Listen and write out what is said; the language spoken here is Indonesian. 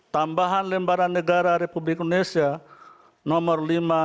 tambahan lembaran negara republik indonesia nomor lima ribu tujuh puluh enam